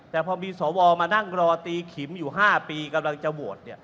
แต่พอมีสวมานั่งรอตีขิมอยู่๕ปีกำลังจะโหวต